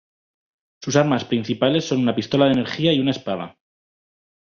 Sus armas principales son una pistola de energía y una espada.